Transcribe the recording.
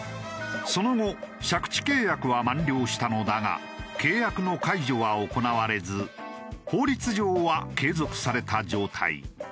その後借地契約は満了したのだが契約の解除は行われず法律上は継続された状態。